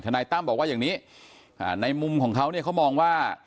นายตั้มบอกว่าอย่างนี้ในมุมของเขาเนี่ยเขามองว่า